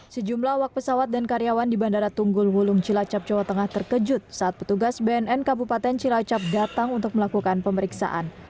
sejumlah awak pesawat dan karyawan di bandara tunggul wulung cilacap jawa tengah terkejut saat petugas bnn kabupaten cilacap datang untuk melakukan pemeriksaan